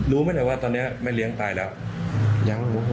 รู้ไหมว่าตอนนี้แม่เลี้ยงตายแล้ว